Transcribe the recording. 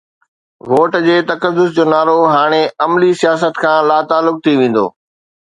Vote جي تقدس جو نعرو هاڻي عملي سياست کان لاتعلق ٿي ويندو.